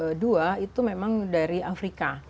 tapi di indonesia tahun dua ribu dua itu memang dari afrika